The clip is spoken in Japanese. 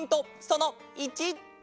その１！